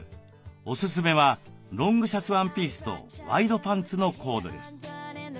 おすすめはロングシャツワンピースとワイドパンツのコーデです。